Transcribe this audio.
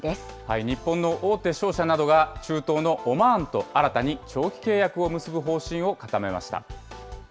日本の大手商社などが中東のオマーンと新たに長期契約を結ぶ方針を固めました。